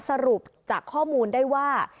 สรุปจากข้อมูลได้ว่า